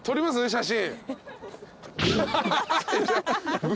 写真。